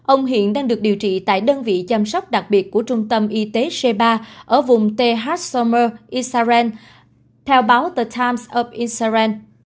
ông hiện đang được điều trị tại đơn vị chăm sóc đặc biệt của trung tâm y tế sheba ở vùng teharsomer israel theo báo the times of israel